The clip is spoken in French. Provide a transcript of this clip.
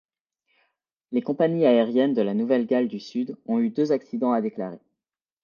Les compagnies aériennes de la Nouvelle-Galles du Sud ont eu deux accidents à déclarer.